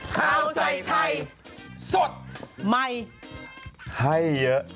ข้าวใส่ไทยสดมัยไทยเยอะ